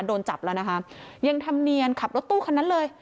โดนจับแล้วนะคะยังทำเนียนขับรถตู้คันนั้นเลย